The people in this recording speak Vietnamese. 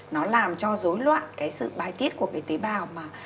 nó làm cho dối loạn cái sự bai tiết của cái tế bào